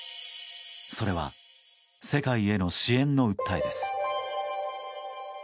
それは世界への支援の訴えです。